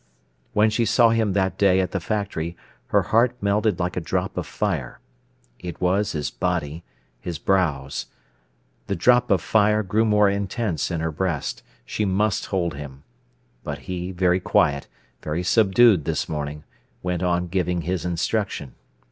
When she saw him that day at the factory her heart melted like a drop of fire. It was his body, his brows. The drop of fire grew more intense in her breast; she must hold him. But he, very quiet, very subdued this morning, went on giving his instruction.